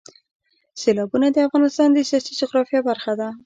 سیلابونه د افغانستان د سیاسي جغرافیه برخه ده.